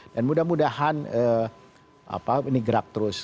dan mudah mudahan ini gerak terus